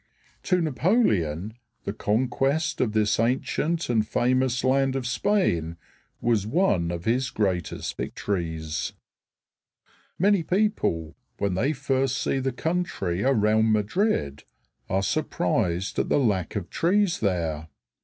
To Napoleon the conquest of this ancient and famous land of Spain was one of his greatest victories. Many people, when they first see the country around Madrid, are surprised at the lack of trees there.